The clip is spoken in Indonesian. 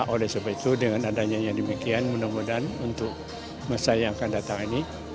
oleh sebab itu dengan adanya yang demikian mudah mudahan untuk masa yang akan datang ini